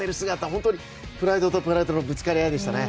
本当にプライドとプライドのぶつかり合いでしたね。